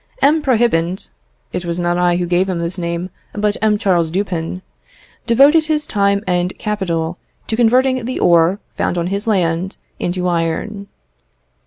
M. Prohibant (it was not I who gave him this name, but M. Charles Dupin) devoted his time and capital to converting the ore found on his land into iron.